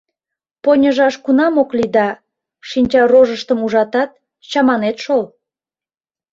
— Поньыжаш кунам ок лий да, шинчарожыштым ужатат, чаманет шол.